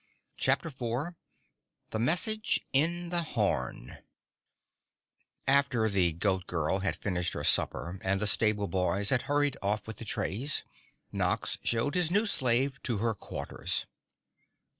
CHAPTER 4 The Message in the Horn After the Goat Girl had finished her supper and the stable boys had hurried off with the trays, Nox showed his new slave to her quarters.